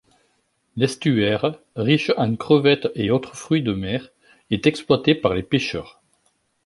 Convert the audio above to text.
L'estuaire, riche en crevettes et autres fruits de mer, est exploité par les pêcheurs.